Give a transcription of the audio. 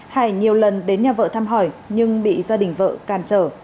hải nhiều lần đến nhà vợ thăm hỏi nhưng bị gia đình vợ càn trở